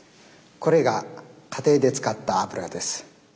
これが家庭で使った油です。